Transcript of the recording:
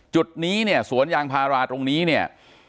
จุดนี้เนี่ยสวนยางพาราตรงนี้เนี่ย